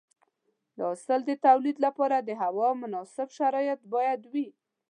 د حاصل د تولید لپاره د هوا مناسب شرایط باید وي.